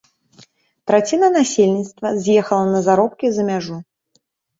Траціна насельніцтва з'ехала на заробкі за мяжу.